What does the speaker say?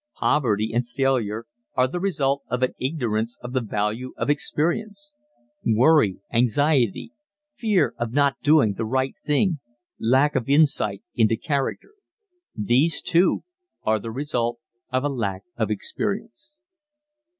Poverty and failure are the result of an ignorance of the value of experience. Worry, anxiety, fear of not doing the right thing, lack of insight into character ... these, too, are the result of a lack of experience.